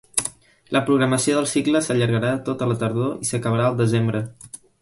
La programació del cicle s’allargarà tota la tardor i s’acabarà al desembre.